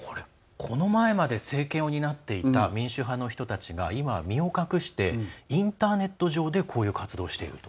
この前まで政権を担っていた民主派の人たちが今は身を隠してインターネット上でこういう活動をしていると。